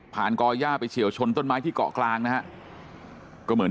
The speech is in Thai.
ก่อย่าไปเฉียวชนต้นไม้ที่เกาะกลางนะฮะก็เหมือน